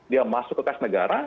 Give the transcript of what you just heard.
dia masuk ke kas negara